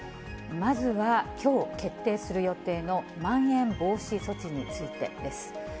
まずは、きょう決定する予定のまん延防止措置についてです。